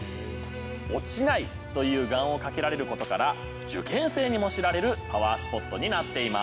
「落ちない」という願をかけられることから受験生にも知られるパワースポットになっています。